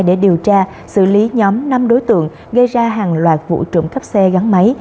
để điều tra xử lý nhóm năm đối tượng gây ra hàng loạt vụ trộm cắp xe gắn máy